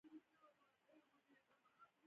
بې رڼا نه شول، هغوی چې خوروي شپې